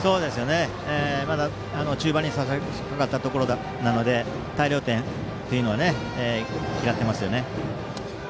まだ中盤にさしかかったところなので大量点というのは嫌っています。